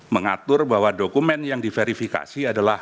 mengatur bahwa dokumen yang diverifikasi adalah